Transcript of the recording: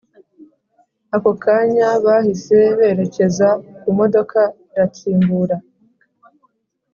ako kanya bahise berekeza kumodoka iratsimbura